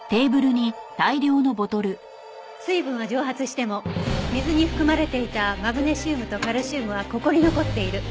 水分は蒸発しても水に含まれていたマグネシウムとカルシウムはここに残っている。